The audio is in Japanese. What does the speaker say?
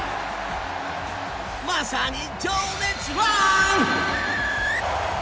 まさに情熱ラン。